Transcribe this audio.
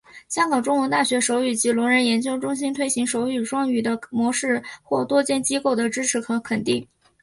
香港中文大学手语及聋人研究中心推行手语双语的模式获多间机构的支持和肯定。